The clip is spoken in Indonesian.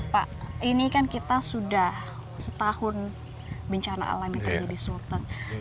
pak ini kan kita sudah setahun bencana alam yang terjadi di sulteng